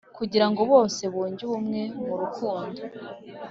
Kugirango bose ngo bunge ubumwe mu rukundo